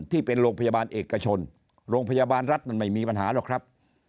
ที่เป็นโรงพยาบาลเอกชนโรงพยาบาลรัฐมันไม่มีปัญหาหรอกครับ